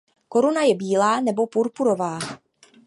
Koruna je bílá nebo purpurová.